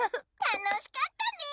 たのしかったね。